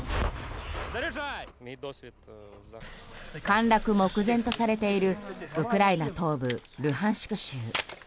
陥落目前とされているウクライナ東部ルハンシク州。